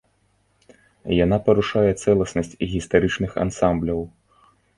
Яна парушае цэласнасць гістарычных ансамбляў.